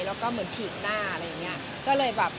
แล้วตัวเหมือนฉีดหน้า